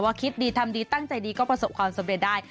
คิดดีทำดีตั้งใจดีก็ประสบความสำเร็จได้